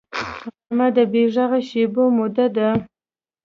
غرمه د بېغږه شېبو موده ده